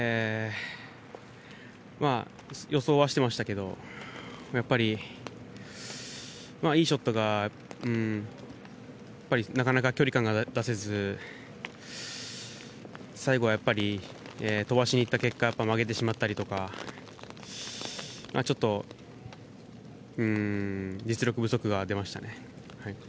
予想はしていましたけどやっぱりいいショットがなかなか距離感が出せず最後、飛ばしにいった結果曲げてしまったりとかちょっと実力不足が出ましたね。